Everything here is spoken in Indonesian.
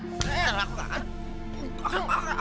terang aku gak kan